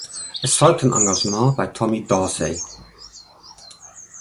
Es folgte ein Engagement bei Tommy Dorsey.